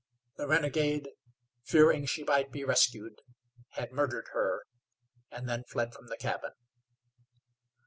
The renegade, fearing she might be rescued, had murdered her, and then fled from the cabin.